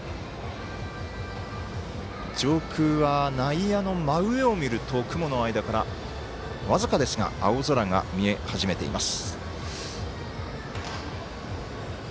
上空は内野の真上を見ると雲の間から僅かですが青空が見え始めています。